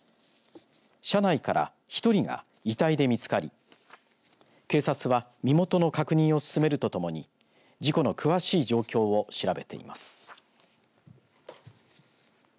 車内から１人が遺体で見つかり警察は身元の確認を進めるとともに事故の詳しい状況を調べています。